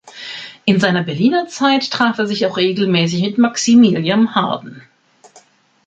In seiner Berliner Zeit traf er sich auch regelmäßig mit Maximilian Harden.